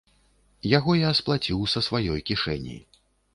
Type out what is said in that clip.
Яго я сплаціў са сваёй кішэні.